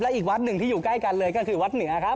อีกวัดหนึ่งที่อยู่ใกล้กันเลยก็คือวัดเหนือครับ